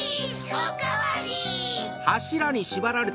おかわり！